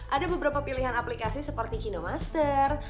ada beberapa pilihan aplikasi seperti kino master